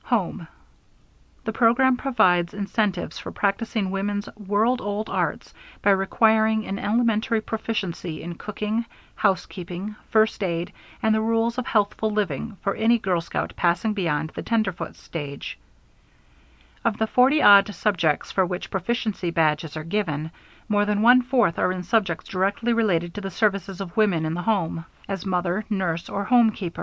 Home. The program provides incentives for practicing woman's world old arts by requiring an elementary proficiency in cooking, housekeeping, first aid, and the rules of healthful living for any girl scout passing beyond the Tenderfoot stage. Of the forty odd subjects for which Proficiency Badges are given, more than one fourth are in subjects directly related to the services of woman in the home, as mother, nurse, or home keeper. _Growth of Girl Scout membership, Jan. 1, 1918, to Jan.